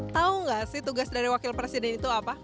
tahu nggak sih tugas dari wakil presiden itu apa